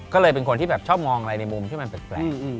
ก็เลยเป็นคนที่แบบชอบมองอะไรในมุมที่มันแปลก